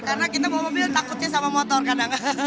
karena kita mau mobil takutnya sama motor kadang